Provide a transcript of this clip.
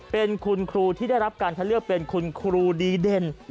เป็นคุณครูที่ได้รับการคัดเลือกเป็นคุณครูดีเด่น